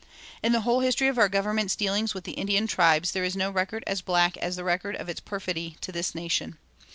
"In the whole history of our government's dealings with the Indian tribes there is no record so black as the record of its perfidy to this nation.